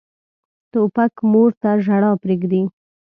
توپک مور ته ژړا پرېږدي.